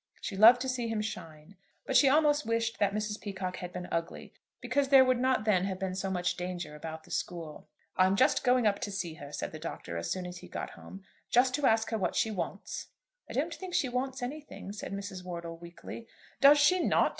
She loved to see him shine. But she almost wished that Mrs. Peacocke had been ugly, because there would not then have been so much danger about the school. "I'm just going up to see her," said the Doctor, as soon as he got home, "just to ask her what she wants." "I don't think she wants anything," said Mrs. Wortle, weakly. "Does she not?